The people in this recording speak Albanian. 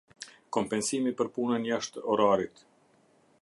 Kompensimi për punën jashtë orarit.